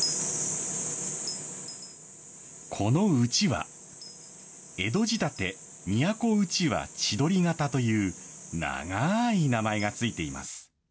このうちわ、江戸仕立て・都うちわ千鳥型という、長ーい名前がついています。